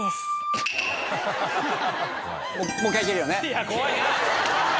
いや怖いな！